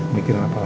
mikir apa lagi